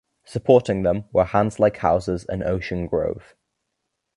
Supporting them were Hands Like Houses and Ocean Grove.